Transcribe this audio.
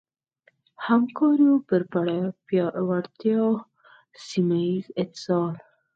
همکاریو پر پیاوړتیا ، سيمهييز اتصال